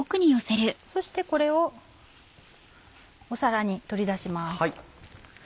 そしてこれを皿に取り出します。